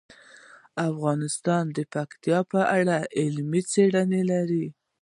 افغانستان د پکتیا په اړه علمي څېړنې لري.